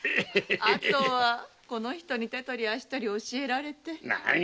後はこの人に手取り足取り教えられ。